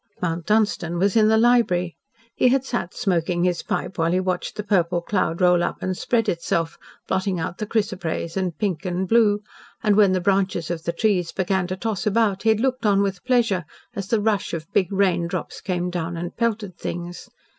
Mount Dunstan was in the library. He had sat smoking his pipe while he watched the purple cloud roll up and spread itself, blotting out the chrysoprase and pink and blue, and when the branches of the trees began to toss about he had looked on with pleasure as the rush of big rain drops came down and pelted things.